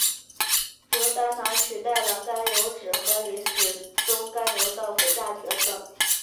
由单糖取代了甘油酯和磷脂中甘油的骨架角色。